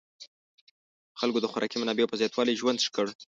خلکو د خوراکي منابعو په زیاتوالي ژوند ښه کړ.